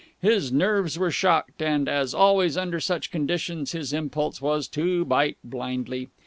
His nerves were shocked, and, as always under such conditions, his impulse was to bite blindly.